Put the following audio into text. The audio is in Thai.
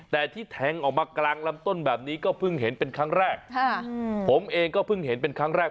แต่ที่แทงออกมากลางลำต้นแบบนี้ก็เพิ่งเห็นเป็นครั้งแรกค่ะผมเองก็เพิ่งเห็นเป็นครั้งแรก